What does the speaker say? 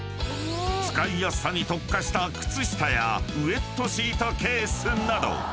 ［使いやすさに特化した靴下やウェットシートケースなど］